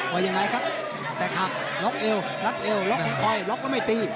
ว่ายังไงครับแต่หักลัดเอวลัดเอวลัดข้างฝ่ายลัดแล้วไม่ตี